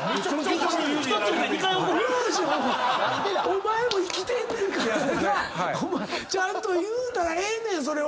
お前も生きてんねんからやなちゃんと言うたらええねん！